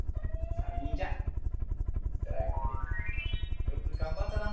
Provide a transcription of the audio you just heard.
さりにんじゃさいごまでよくがんばったな！